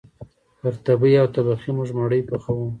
پر تبۍ او تبخي موږ مړۍ پخوو